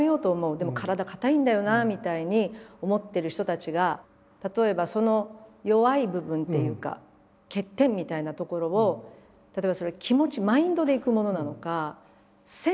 でも体硬いんだよなあみたいに思ってる人たちが例えばその弱い部分っていうか欠点みたいなところを例えばそれ気持ちマインドでいくものなのかセンスなのか。